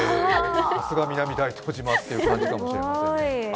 さすが南大東島っていう感じかもしれないですね。